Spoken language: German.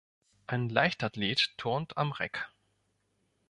Ein Leichtathlet turnt am Reck.